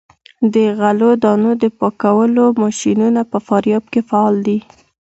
د غلو دانو د پاکولو ماشینونه په فاریاب کې فعال دي.